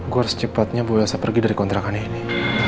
gue harus cepatnya bawa yosa pergi dari kontrakan ini